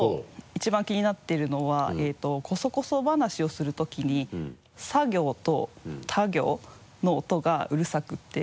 一番気になっているのはこそこそ話をするときにサ行とタ行の音がうるさくて。